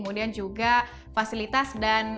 jadi ada masih keututaan